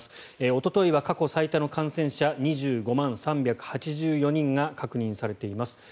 おとといは過去最多の感染者２５万３８４人が確認されています。